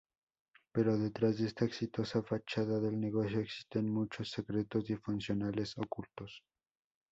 Pero detrás de esta exitosa fachada del negocio, existen muchos secretos disfuncionales ocultos.